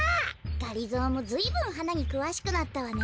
がりぞーもずいぶんはなにくわしくなったわね。